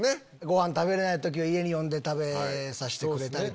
ごはん食べれない時は家に呼んで食べさせてくれたり。